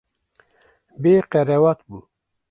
Bê qerewat bû.